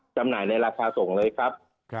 จำหน่ายในราคาส่งเลยครับ